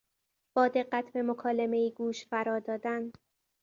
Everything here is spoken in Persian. با دقت به مکالمهای گوش فرادادن